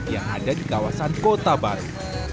yang ada di kawasan kota baru